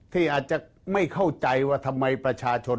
ที่อาจจะไม่เข้าใจว่าทำไมประชาชน